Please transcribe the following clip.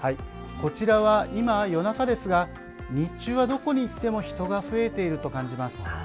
こちらは今、夜中ですが日中はどこへ行っても人が増えていると感じます。